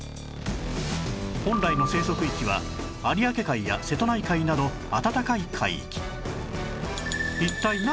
本来の生息域は有明海や瀬戸内海など暖かい海域